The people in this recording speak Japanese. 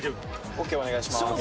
桶お願いします